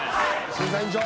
審査委員長。